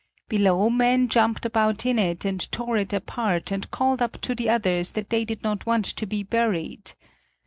Below men jumped about in it and tore it apart and called up to the others that they did not want to be buried.